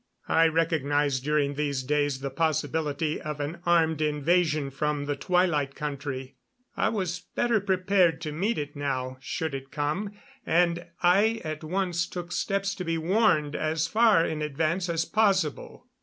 I recognized during these days the possibility of an armed invasion from the Twilight Country. I was better prepared to meet it now, should it come, and I at once took steps to be warned as far in advance as possible.